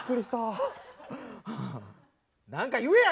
何か言えや！